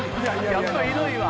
やっぱひどいわ。